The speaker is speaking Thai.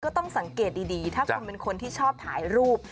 ก็ต้องสังเกตดีถ้าคุณเป็นคนที่ชอบถ่ายรูป